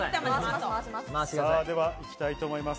では行きたいと思います。